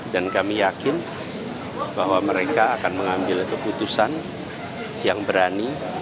dan kami yakin bahwa mereka akan mengambil keputusan yang berani